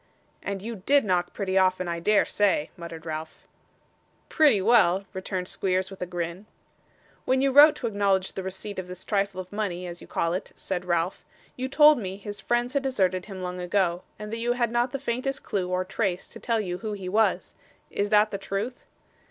'And you DID knock pretty often, I dare say?' muttered Ralph. 'Pretty well,' returned Squeers with a grin. 'When you wrote to acknowledge the receipt of this trifle of money as you call it,' said Ralph, 'you told me his friends had deserted him long ago, and that you had not the faintest clue or trace to tell you who he was. Is that the truth?